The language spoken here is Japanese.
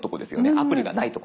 アプリがないとこ。